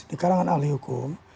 di kalangan ahli hukum